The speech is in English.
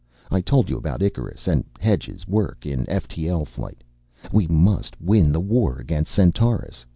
I told you about Icarus, and Hedge's work in ftl flight. We must win the war against Centaurus.